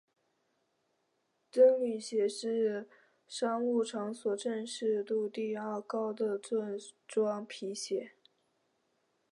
僧侣鞋是商务场所正式度第二高的正装皮鞋。